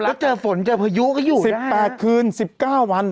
แล้วเจอฝนเจอพยุก็อยู่สิบแปดคืนสิบเก้าวัน